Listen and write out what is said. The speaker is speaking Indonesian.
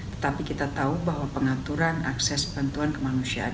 tetapi kita tahu bahwa pengaturan akses bantuan kemanusiaan